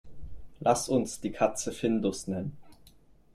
Lass uns die Katze Findus nennen.